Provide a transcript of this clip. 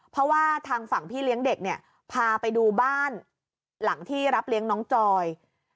เพราะว่าทางฝั่งพี่เลี้ยงเด็กเนี่ยพาไปดูบ้านหลังที่รับเลี้ยงน้องจอย